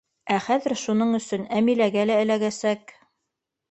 Ә хәҙер шуның өсөн Әмиләгә лә эләгәсәк.